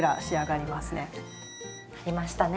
鳴りましたね。